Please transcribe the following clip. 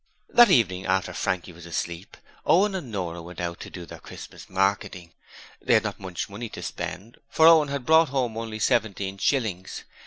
That evening, after Frankie was asleep, Owen and Nora went out to do their Christmas marketing. They had not much money to spend, for Owen had brought home only seventeen shillings.